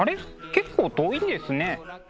結構遠いんですね。